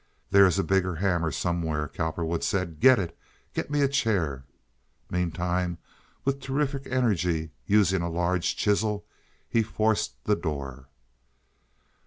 "There is a bigger hammer somewhere," Cowperwood said. "Get it! Get me a chair!" Meantime, with terrific energy, using a large chisel, he forced the door.